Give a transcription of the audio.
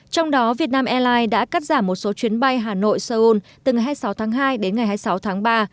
trong đó việt nam airlines đã cắt giảm một số chuyến bay hà nội saul từ ngày hai mươi sáu tháng hai đến ngày hai mươi sáu tháng ba